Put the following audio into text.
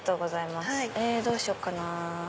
えどうしようかな。